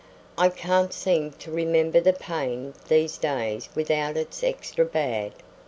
"I can't seem to remember the pain these days without it's extra bad.